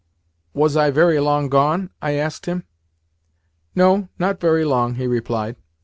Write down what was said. "Was I very long gone?" I asked him. "No, not very long," he replied.